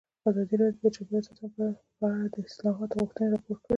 ازادي راډیو د چاپیریال ساتنه په اړه د اصلاحاتو غوښتنې راپور کړې.